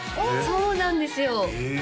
そうなんですよへえ